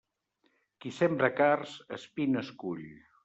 Qui sembra cards, espines cull.